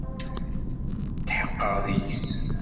Tḥeqqeɣ deg-s.